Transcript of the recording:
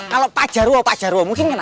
kalau pak jarwo pak jarwo mungkin kenapa